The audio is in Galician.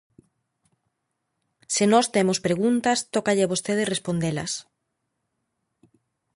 Se nós temos preguntas, tócalle a vostede respondelas.